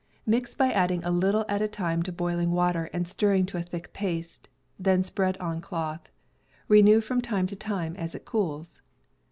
Mix by adding a little at a time to boiling water and stirring to a thick paste; then spread on cloth. Renew from time to time as it cools.